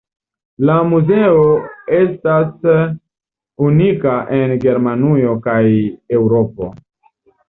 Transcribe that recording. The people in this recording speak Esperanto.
La muzeo estas unika en Germanujo kaj Eŭropo.